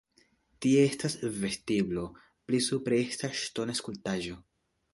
Tie estas vestiblo, pli supre estas ŝtona skulptaĵo.